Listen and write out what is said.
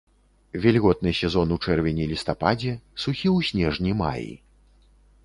Вільготны сезон у чэрвені-лістападзе, сухі ў снежні-маі.